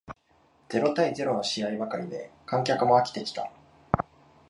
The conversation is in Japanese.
ゼロ対ゼロの試合ばかりで観客も飽きてきた